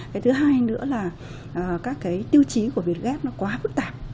cái thứ hai nữa là các cái tiêu chí của việt gáp nó quá phức tạp